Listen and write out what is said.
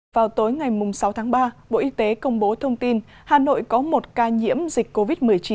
vào tối ngày sáu tháng ba bộ y tế công bố thông tin hà nội có một ca nhiễm dịch covid một mươi chín